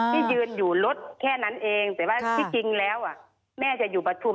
ที่ยืนอยู่รถแค่นั้นเองแต่ว่าที่จริงแล้วแม่จะอยู่ประชุม